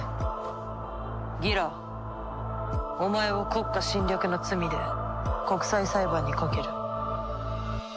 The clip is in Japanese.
ギラお前を国家侵略の罪で国際裁判にかける。